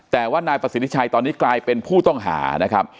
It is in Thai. แต่ว่านายประสิทธิชัยตอนนี้กลายเป็นผู้ต้องหานะครับ